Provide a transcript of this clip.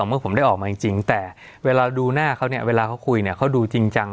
เมื่อผมได้ออกมาจริงแต่เวลาดูหน้าเขาเนี่ยเวลาเขาคุยเนี่ยเขาดูจริงจัง